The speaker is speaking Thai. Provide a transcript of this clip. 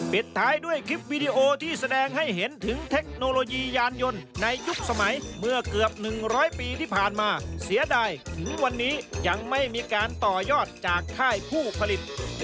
โปรดติดตามตอนต่อไป